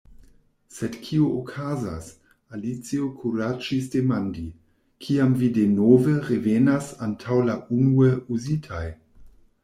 "Sed kio okazas," Alicio kuraĝis demandi, "kiam vi denove revenas antaŭ la unue uzitaj?"